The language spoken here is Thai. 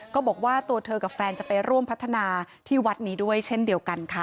ก็บอกว่าตัวเธอกับแฟนจะไปร่วมพัฒนาที่วัดนี้ด้วยเช่นเดียวกันค่ะ